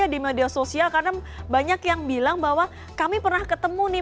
di media sosial karena banyak yang bilang bahwa kami pernah ketemu nih